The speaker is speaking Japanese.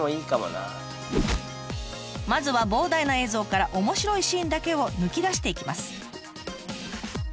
まずは膨大な映像から面白いシーンだけを抜き出していきます。